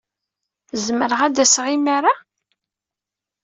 Zemreɣ ad d-aseɣ imir-a?